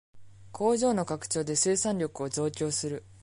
工場の拡張で生産力を増強する